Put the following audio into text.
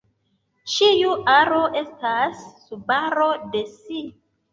Ĉiu aro estas subaro de si.